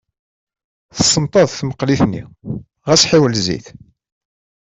Tessenṭaḍ tmeqlit-nni, ɣas ḥiwel zzit.